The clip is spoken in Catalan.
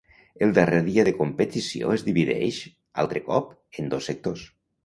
El darrer dia de competició es divideix, altre cop, en dos sectors.